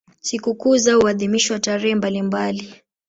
Sikukuu zao huadhimishwa tarehe mbalimbali.